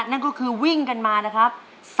นั่นก็คือวิ่งกันมานะครับ